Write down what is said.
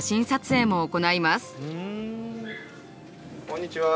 こんにちは。